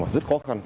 trong vùng cháy